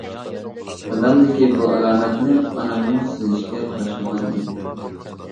دادامدىكى بۇ ئالامەتنى ئاناممۇ سېزىشكە باشلىغان ئىدى.